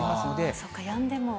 そっか、やんでも。